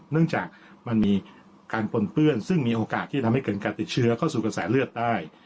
เนื่องจากมันมีการปนเปื้อนซึ่งมีโอกาสที่จะทำให้เกิดการติดเชื้อเข้าสู่กระแสเลือดได้